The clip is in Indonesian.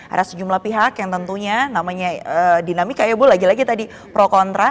ada sejumlah pihak yang tentunya namanya dinamika ya bu lagi lagi tadi pro kontra